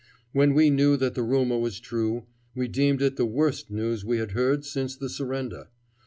When we knew that the rumor was true, we deemed it the worst news we had heard since the surrender.